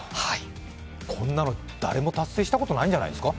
こんなの誰も達成したことないんじゃないですか？